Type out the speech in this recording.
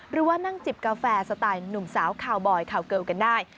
หรือว่านั่งจิบกาแฟสไตล์หนุ่มสาวคาวบอยคาวเกิลกันได้